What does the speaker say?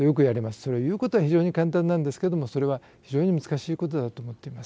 それ、言うことは非常に簡単なんですけれども、それは非常に難しいことだと思っています。